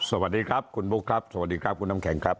สวัสดีครับคุณบุ๊คครับสวัสดีครับคุณน้ำแข็งครับ